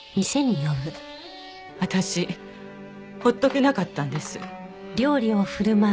私ほっとけなかったんです。